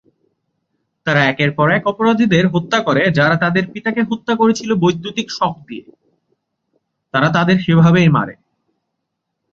তারা একের পর এক অপরাধীদের হত্যা করে যারা তাদের পিতাকে হত্যা করেছিল বৈদ্যুতিক শক দিয়ে ।তারা তাদের সেভাবেই মারে।